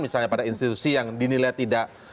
misalnya pada institusi yang dinilai tidak